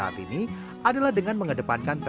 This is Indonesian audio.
alhamdulillah untuk kebutuhan kebutuhan yang kecil